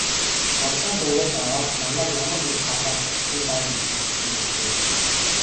Сурлагын дүнгээс аваад л намайг ямар нэг талаар хавчина даа гэж боддог байжээ.